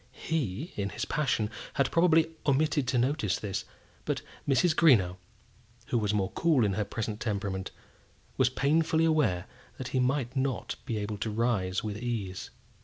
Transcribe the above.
He, in his passion, had probably omitted to notice this; but Mrs. Greenow, who was more cool in her present temperament, was painfully aware that he might not be able to rise with ease.